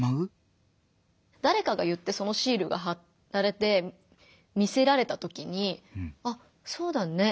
だれかが言ってそのシールがはられて見せられたときに「あっそうだね。